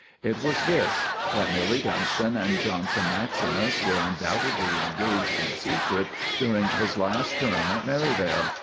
It was this: that Milly Dunstan and Johnson maximus were undoubtedly engaged in secret during his last term at Merivale.